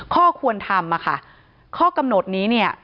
ข้อควรทำข้อกำหนดนี้